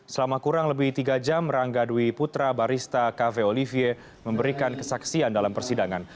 selama kurang lebih tiga jam rangga dwi putra barista cafe olivier memberikan kesaksian dalam persidangan